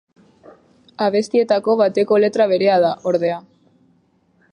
Abestietako bateko letra berea da, ordea.